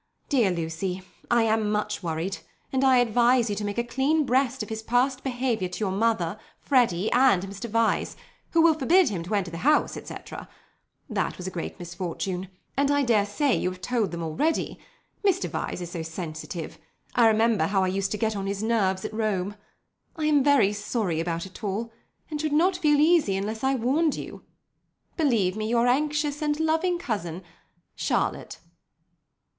Dear Lucy, I am much worried, and I advise you to make a clean breast of his past behaviour to your mother, Freddy, and Mr. Vyse, who will forbid him to enter the house, etc. That was a great misfortune, and I dare say you have told them already. Mr. Vyse is so sensitive. I remember how I used to get on his nerves at Rome. I am very sorry about it all, and should not feel easy unless I warned you. "Believe me, "Your anxious and loving cousin, "CHARLOTTE."